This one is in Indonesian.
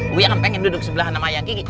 wih aku pengen duduk sebelah sama ayang kiki